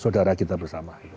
saudara kita bersama